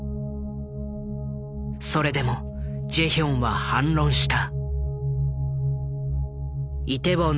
それでもジェヒョンは反論した。